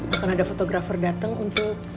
akan ada fotografer datang untuk